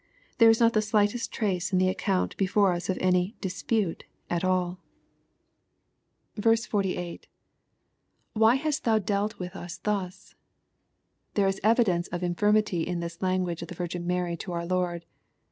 There is not the slightest trace in the account before us of any " dispute*' atalL LUKE^ CHAP, in* 8b 18. — tWhy hast thou dealt wUh us ihttaf] There is evidenoe of 'nt firmity in this language of the Virgin Mary to our Lord.